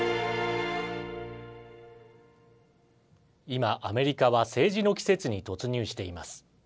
今、アメリカは政治の季節に突入しています。